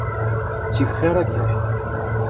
Ttif xir akka.